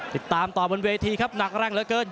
ติดตามต่อบนเวทีครับหนักแรงเหลือเกิน